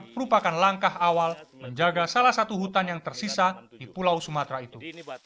merupakan langkah awal menjaga salah satu hutan yang tersisa di pulau sumatera itu